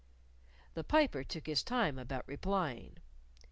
The Piper took his time about replying.